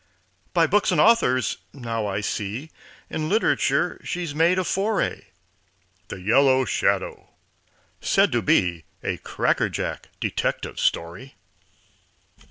By Books and Authors now I see In literature she's made a foray: "The Yellow Shadow" said to be "A crackerjack detective story."